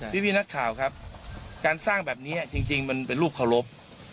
พี่นักข่าวครับการสร้างแบบนี้จริงมันเป็นรูปเคารพ